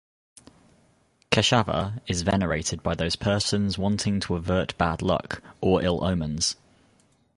Keshava is venerated by those persons wanting to avert bad luck, or ill omens.